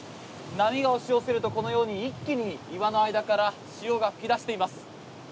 波が押し寄せるとこのように一気に岩の間から潮が吹き出しています。